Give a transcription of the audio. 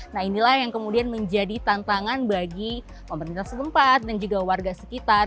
nah inilah yang kemudian menjadi tantangan bagi pemerintah setempat dan juga warga sekitar